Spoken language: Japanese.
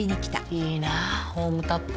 いいなホームタップ。